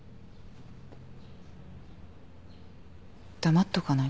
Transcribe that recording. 黙っとかない？